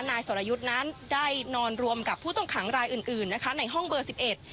นายสรยุทธ์นั้นได้นอนรวมกับผู้ต้องขังรายอื่นอื่นนะคะในห้องเบอร์สิบเอ็ด